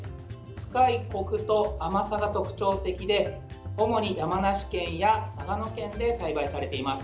深いコクと甘さが特徴的で主に山梨県や長野県で栽培されています。